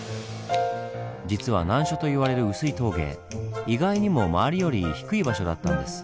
実は難所と言われる碓氷峠意外にも周りより低い場所だったんです。